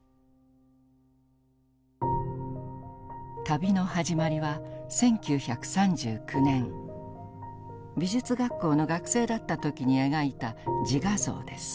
旅の始まりは１９３９年美術学校の学生だった時に描いた自画像です。